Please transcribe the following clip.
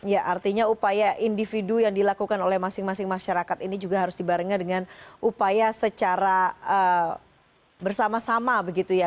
ya artinya upaya individu yang dilakukan oleh masing masing masyarakat ini juga harus dibarengi dengan upaya secara bersama sama begitu ya